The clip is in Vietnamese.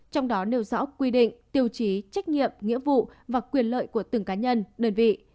trong đó nêu rõ quy định tiêu chí trách nhiệm nghĩa vụ và quyền lợi của từng cá nhân đơn vị